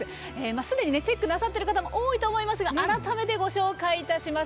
すでにチェックなさってる方も多いと思いますが改めてご紹介します。